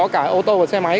cả ô tô và xe máy